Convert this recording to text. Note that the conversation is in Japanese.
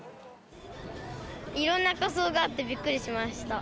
いろんな仮装があってびっくりしました。